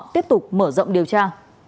tiếp tục mở rộng điều tra